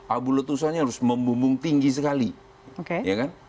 abu letusannya harus membumbung tinggi sekali ya kan